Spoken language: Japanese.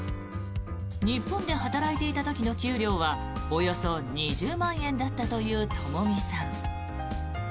日本で働いていた時の給料はおよそ２０万円だったというともみさん。